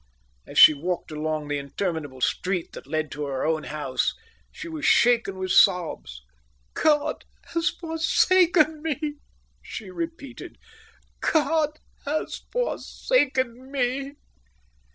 As she walked along the interminable street that led to her own house, she was shaken with sobs. "God has forsaken me," she repeated. "God has foresaken me."